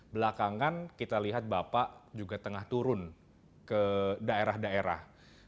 belakangan kita lihat bapak juga tengah turun ke daerah daerah